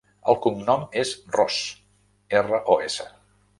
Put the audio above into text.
El cognom és Ros: erra, o, essa.